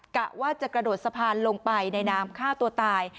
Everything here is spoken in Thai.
กะว่าจะกระโดดสะพานลงไปในน้ำฆ่าตัวตาย